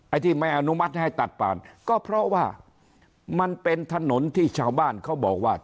ที่ไม่อนุมัติให้ตัดผ่านก็เพราะว่ามันเป็นถนนที่ชาวบ้านเขาบอกว่า